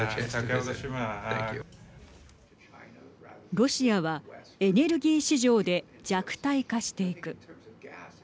ロシアはエネルギー市場で弱体化していく。